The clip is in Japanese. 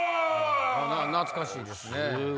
懐かしいですね。